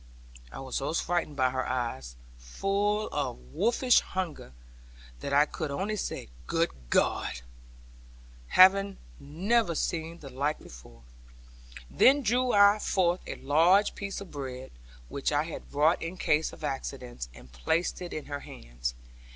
I was so frightened by her eyes, full of wolfish hunger, that I could only say 'Good God!' having never seen the like before. Then drew I forth a large piece of bread, which I had brought in case of accidents, and placed it in her hands.